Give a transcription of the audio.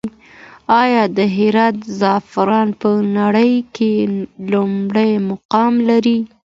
آیا د هرات زعفران په نړۍ کې لومړی مقام لري؟